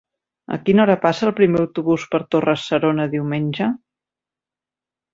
A quina hora passa el primer autobús per Torre-serona diumenge?